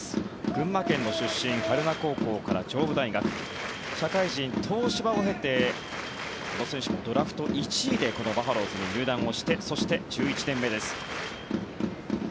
群馬県の出身榛名高校から上武大学社会人、東芝を経てドラフト１位でこのバファローズに入団をしてそして１１年目です。